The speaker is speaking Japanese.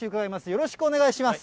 よろしくお願いします。